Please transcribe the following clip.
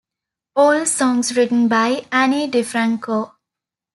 All songs written by Ani DiFranco.